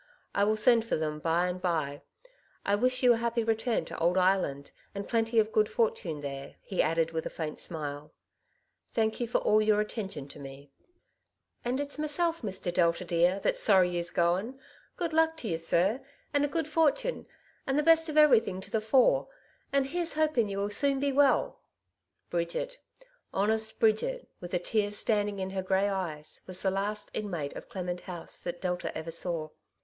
*'^ I will send for them by and by. I wish you a happy return to old Ireland, and plenty of good fortune there,'^ he added with a faint smile. " Thank you for all your attention to me/' ^^And it's meseAi, M.T.T^^\\."a. da^^^ that's sorry Bitter Disappointment. 1 89 yese going. Good luck to ye, sir, and a good fortin, and the best of everything to the fore ; aud here's hoping ye^U soon be well/' Bridget — honest Bridget, with the tears standing in her grey eyes, was the last inmate of Clement House that Delta ever saw.